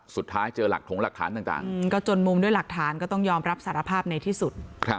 เจอหลักถงหลักฐานต่างก็จนมุมด้วยหลักฐานก็ต้องยอมรับสารภาพในที่สุด